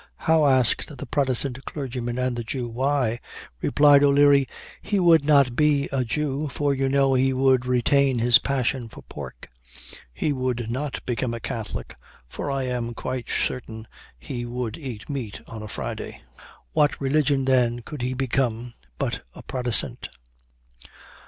"How," asked the Protestant clergyman and the Jew. "Why," replied O'Leary, "he would not be a Jew, for, you know, he would retain his passion for pork: he would not become a Catholic, for I am quite certain he would eat meat on a Friday. What religion, then, could he become, but a Protestant!"